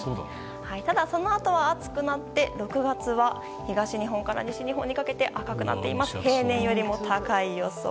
ただ、そのあとは暑くなって６月は東日本から西日本にかけて平年より高い予想。